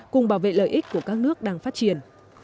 cùng bảo vệ lợi ích của các nước đang phát triển